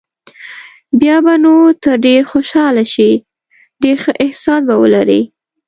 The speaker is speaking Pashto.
بیا به نو ته ډېر خوشاله شې، ډېر ښه احساس به ولرې.